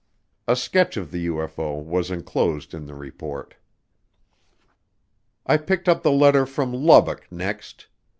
A sketch of the UFO was enclosed in the report. I picked up the letter from Lubbock next.